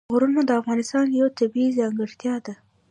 غرونه د افغانستان یوه طبیعي ځانګړتیا ده.